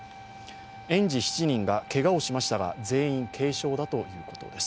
園児７人がけがをしましたが全員、軽傷だということです。